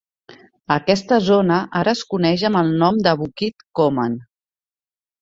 Aquesta zona ara es coneix amb el nom de Bukit Koman.